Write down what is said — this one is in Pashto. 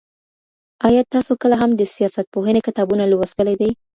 ايا تاسو کله هم د سياستپوهنې کتابونه لوستلي دي؟